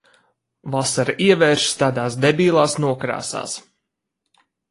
Vasara ievēršas tādās debilās nokrāsās.